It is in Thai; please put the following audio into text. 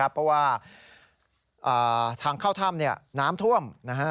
เพราะว่าทางเข้าถ้ำน้ำท่วม